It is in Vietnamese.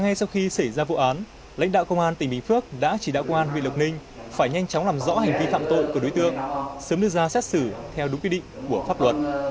ngay sau khi xảy ra vụ án lãnh đạo công an tỉnh bình phước đã chỉ đạo công an huyện lộc ninh phải nhanh chóng làm rõ hành vi phạm tội của đối tượng sớm đưa ra xét xử theo đúng quy định của pháp luật